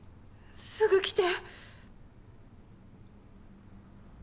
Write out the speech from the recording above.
すぐ来て。